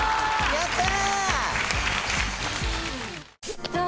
やった！